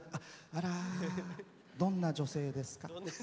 あらーどんな女性ですか？